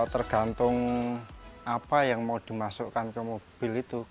tergantung apa yang mau dimasukkan ke mobil itu